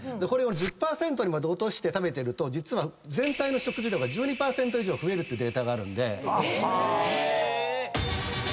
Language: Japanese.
これを１０％にまで落として食べてると実は全体の食事量が１２％以上増えるってデータがあるんで。